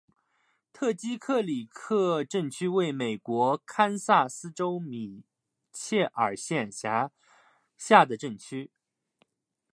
特基克里克镇区为美国堪萨斯州米切尔县辖下的镇区。